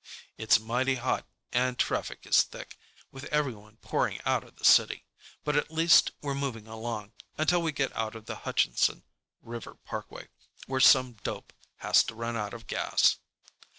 It's mighty hot, and traffic is thick, with everyone pouring out of the city. But at least we're moving along, until we get out on the Hutchinson River Parkway, where some dope has to run out of gas.